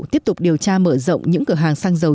tiếp tục điều tra mở rộng những cửa hàng xăng dầu